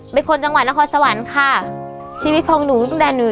เป็นคนจังหวัดนาคอสวรรค์ค่ะชีวิตของหนูตรงดันหนูอยู่